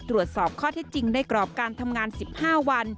รวดสอบข้อที่จริงได้กรอบการทำงาน๑๕วัน